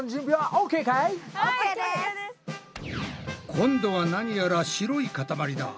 今度は何やら白いかたまりだ。